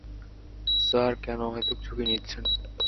Sir, কেন অহেতুক ঝুঁকি নিচ্ছেন?